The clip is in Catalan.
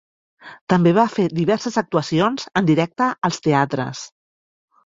També va fer diverses actuacions en directe als teatres.